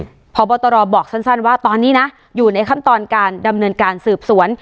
อืมพอบอตรอบอกสั้นสั้นว่าตอนนี้นะอยู่ในคำตอนการดำเนินการสืบสวน